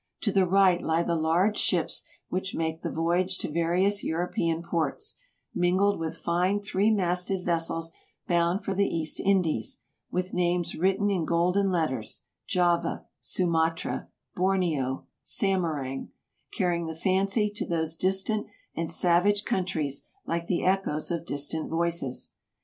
To the right lie the large ships which make the voyage to various European ports, mingled with fine three masted vessels bound for the East Indies, with names written in golden letters — Java, Sumatra, Borneo, Samarang — carrying the fancy to those distant and savage countries like the echoes of distant voices.